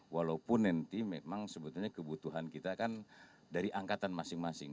walaupun nanti memang sebetulnya kebutuhan kita kan dari angkatan masing masing